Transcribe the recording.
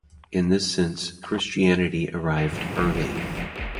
In this sense, Christianity arrived "early".